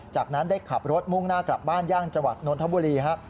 จากนั้นได้ขับรถมุ่งหน้ากลับบ้านย่างจังหวัดนนทบุรีฮะ